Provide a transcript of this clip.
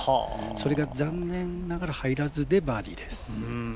それが残念ながら入らずでバーディーです。